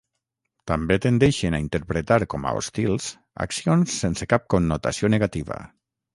També tendeixen a interpretar com a hostils accions sense cap connotació negativa.